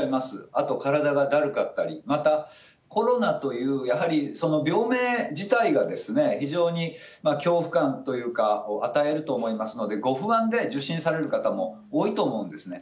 あと、体がだるかったり、また、コロナという、やはりその病名自体が非常に恐怖感というか、を与えると思いますので、ご不安で受診される方も多いと思うんですね。